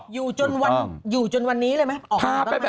อยู่จนวันนี้เลยไหม